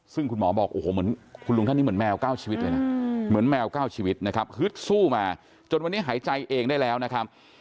ซึ่งคุณหมอบอกโอ้โหเหมือนคุณลุงท่านนี้เหมือนแมว๙ชีวิตเลยนะเหมือนแมว๙ชีวิตนะครับฮึดสู้มาจนวันนี้หายใจเองได้แล้วนะครับ